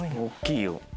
大っきいよ。